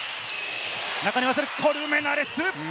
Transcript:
中に合わせるコルメナレス。